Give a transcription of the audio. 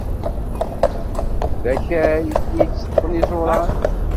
D akal i iteṭṭfen iẓuran.